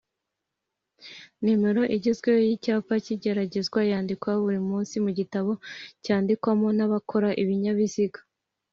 Numero igezweho y'icyapa cy'igeragezwa yandikwa buri munsi mu gitabo cyandikwamo n'abakora ibinyabiziga